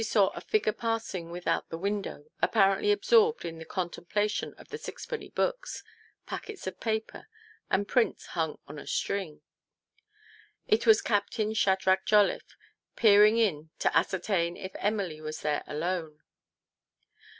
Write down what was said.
109 saw a figure pausing without the window apparently absorbed in the contemplation of the sixpenny books, packets of paper, and prints hung on a string. It was Captain Shadrach Jolliffe, peering in to ascertain if Ernily was there alone.